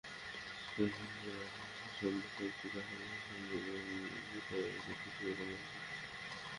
বিষয়টি জানাজানি হলে সম্প্রতি কাশেম স্ত্রীকে নিয়ে নিজেরাই একটি ফাস্টফুডের দোকান দেন।